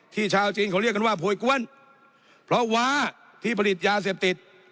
ชาวจีนเขาเรียกกันว่าโพยกวนเพราะว้าที่ผลิตยาเสพติด